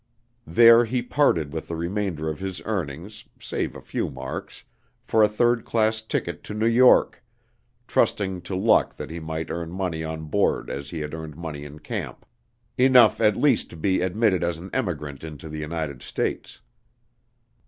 There he parted with the remainder of his earnings (save a few marks) for a third class ticket to New York, trusting to luck that he might earn money on board as he had earned money in camp, enough at least to be admitted as an emigrant into the United States.